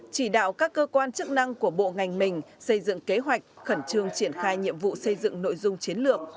chỉ đạo các cơ quan chức năng của bộ ngành mình xây dựng kế hoạch khẩn trương triển khai nhiệm vụ xây dựng nội dung chiến lược